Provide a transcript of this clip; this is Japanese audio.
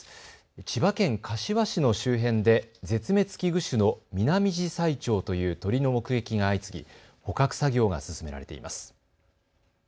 千葉県柏市の周辺で絶滅危惧種のミナミジサイチョウという鳥の目撃が相次ぎ捕獲作業が進められています。